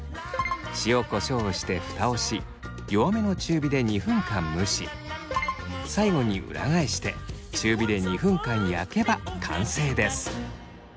塩こしょうをしてふたをし弱めの中火で２分間蒸し最後に裏返して中火で２分間焼けば完成です。